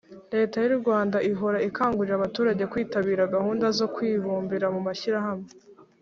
leta y’u rwanda ihora ikangurira abaturage kwitabira gahunda zo kwibumbira mu mashyirahamwe